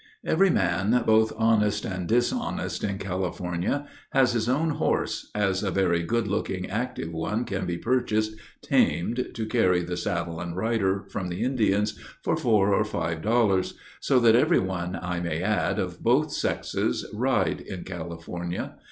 Every man, both honest and dishonest, in California, has his own horse as a very good looking, active one can be purchased, tamed to carry the saddle and rider, from the Indians, for four or five dollars; so that every one, I may add, of both sexes, ride in California.